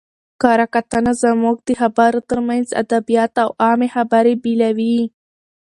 کره کتنه زموږ د خبرو ترمنځ ادبیات او عامي خبري بېلوي.